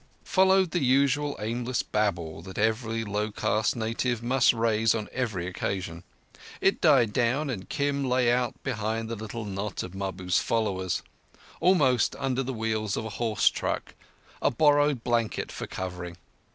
Followed the usual aimless babble that every low caste native must raise on every occasion. It died down, and Kim lay out behind the little knot of Mahbub's followers, almost under the wheels of a horse truck, a borrowed blanket for covering.